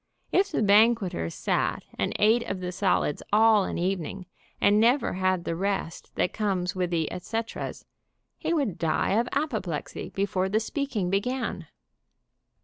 If the banqueter sat and ate of the solids all an evening, and never had the rest that comes with the et ceteras, he would die of apoplexy before the speaking began.